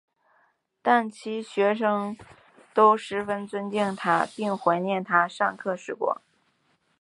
但其学生都十分尊敬他并怀念他上课时光。